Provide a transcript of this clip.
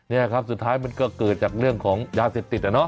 เนี่ยครับสุดท้ายก็เกิดจากเรื่องของยาเศษติด